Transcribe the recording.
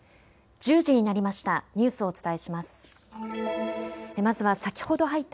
１０時になりました。